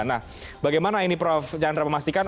nah bagaimana ini prof chandra memastikan